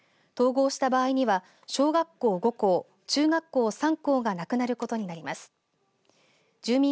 統合した場合には小学校５校、中学校３校がなくなることになります。